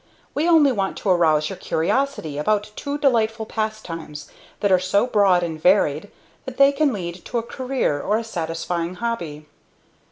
We only want to arouse your curiosity about two delightful pastimes that are so broad and varied that they can lead to a career or a satisfying hobby.